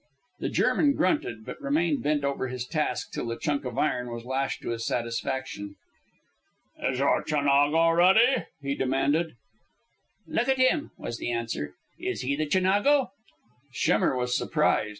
The German grunted, but remained bent over his task till the chunk of iron was lashed to his satisfaction. "Is your Chinago ready?" he demanded. "Look at him," was the answer. "Is he the Chinago?" Schemmer was surprised.